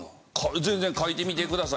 全然書いてみてください。